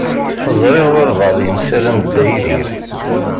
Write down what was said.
Ẓṛiɣ walebɛaḍ yemsalam d Dda Yidir.